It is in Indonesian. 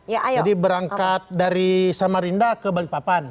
jadi berangkat dari samarinda ke balikpapan